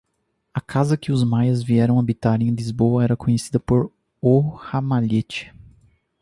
A casa que os Maias vieram habitar em Lisboa era conhecida por "o Ramalhete".